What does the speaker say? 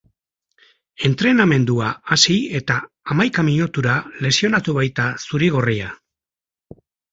Entrenamendua hasi eta hamaika minutura lesionatu baita zuri-gorria.